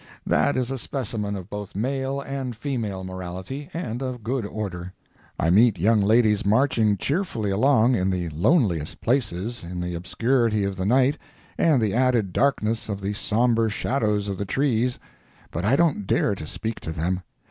That is a specimen of both male and female morality, and of good order. I meet young ladies marching cheerfully along in the loneliest places, in the obscurity of the night and the added darkness of the sombre shadows of the trees—but I don't dare to speak to them.